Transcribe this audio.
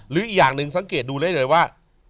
หรืออีกอย่างหนึ่งสังเกตดูเลยเลยว่า